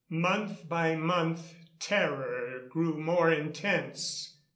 Month by month terror grew more intense.